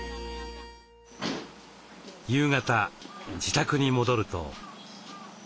夕方自宅に戻ると。